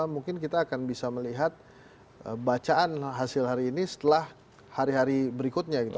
mungkin kita akan bisa melihat bacaan hasil hari ini setelah hari hari berikutnya gitu